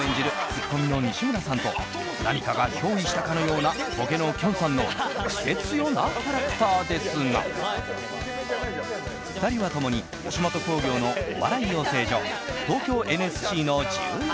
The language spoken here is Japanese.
ツッコミの西村さんと何かが憑依したかのようなボケのきょんさんのクセ強なキャラクターですが２人は共に吉本興業のお笑い養成所東京ＮＳＣの１７期。